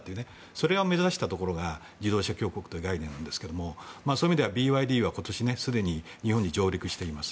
それを目指したところが自動車強国という概念ですがそういう意味でＢＹＤはすでに日本に上陸しています。